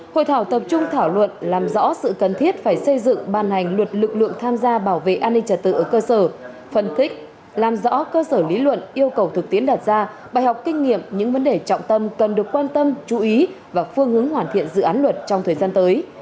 hội thảo tập trung thảo luận làm rõ sự cần thiết phải xây dựng ban hành luật lực lượng tham gia bảo vệ an ninh trật tự ở cơ sở phân tích làm rõ cơ sở lý luận yêu cầu thực tiễn đặt ra bài học kinh nghiệm những vấn đề trọng tâm cần được quan tâm chú ý và phương hướng hoàn thiện dự án luật trong thời gian tới